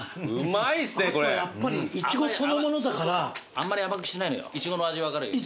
あんまり甘くしてないのよいちごの味分かるように。